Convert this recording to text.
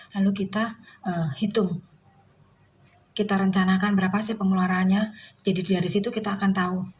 lalu kita hitung kita rencanakan berapa sih pengeluarannya jadi dari situ kita akan tahu